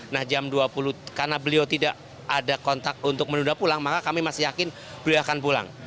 nah jam dua puluh karena beliau tidak ada kontak untuk menunda pulang maka kami masih yakin beliau akan pulang